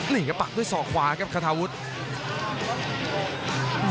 หลีงกระปักด้วยส่อขวาครับขาธาวุฒิ